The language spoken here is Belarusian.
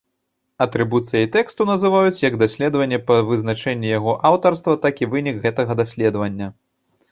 Атрыбуцыяй тэксту называюць як даследаванне па вызначэнні яго аўтарства, так і вынік гэтага даследавання.